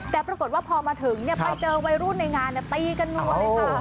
แต่ปรากฏว่าพอมาถึงไปเจอวัยรุ่นในงานตีกันนัวเลยค่ะ